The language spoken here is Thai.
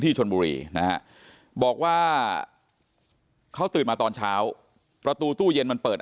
ชนบุรีนะฮะบอกว่าเขาตื่นมาตอนเช้าประตูตู้เย็นมันเปิด